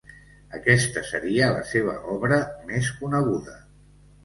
Aquesta seria la seva obra més coneguda.